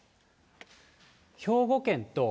兵庫県と。